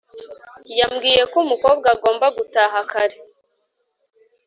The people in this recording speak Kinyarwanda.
Yambwiye ko umukobwa agomba gutaha kare.